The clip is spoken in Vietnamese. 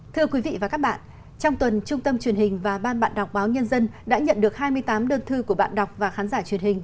thưa quý vị và các bạn trong tuần trung tâm truyền hình và ban bạn đọc báo nhân dân đã nhận được hai mươi tám đơn thư của bạn đọc và khán giả truyền hình